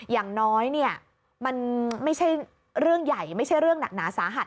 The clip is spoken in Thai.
อย่างน้อยเนี่ยมันไม่ใช่เรื่องใหญ่ไม่ใช่เรื่องหนักหนาสาหัส